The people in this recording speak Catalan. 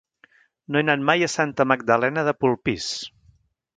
No he anat mai a Santa Magdalena de Polpís.